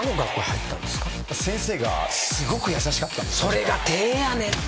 それが手やねんて。